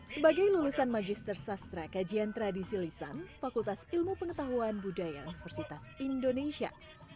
sebagai lulusan magister sastra kajian tradisi lisan fakultas ilmu pengetahuan budaya universitas indonesia